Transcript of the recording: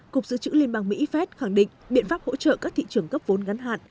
cục giữ chữ liên bang mỹ phép khẳng định biện pháp hỗ trợ các thị trường cấp vốn gắn hạn